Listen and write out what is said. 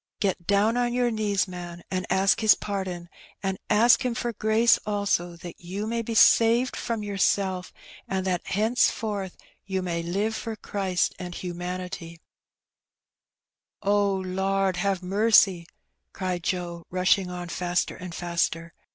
Get down on your knees^ man^ and ask His pardon^ and ask Him for grace also that you may be saved from yourself, and that hence forth you may live for Christ and humanity/' " O Lord, have marcy !^' cried Joe, rushing on faster and faster.